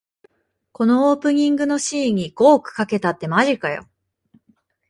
このオープニングのシーンに五億かけたってマジかよ